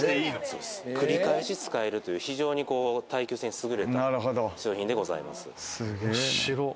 繰り返し使えるという耐久性にすぐれた商品でございます。